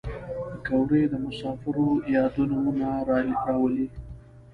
پکورې د مسافرو یادونه راولي